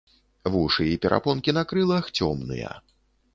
Вушы і перапонкі на крылах цёмныя.